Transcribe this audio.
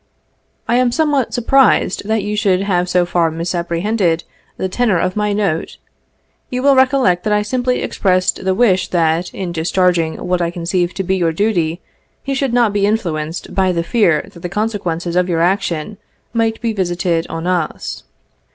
I am somewhat surprised that you should have so far misapprehended the tenor of my note. You will recollect that I simply expressed the wish that, in discharg ing what I conceived to be your duty, you should not be influenced by the fear that the consequences of your action might be visited on us.